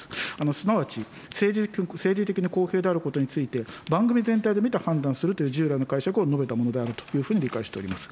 すなわち、政治的に公平であることについて、番組全体で見て判断するという従来の解釈を述べたものであるというふうに理解しております。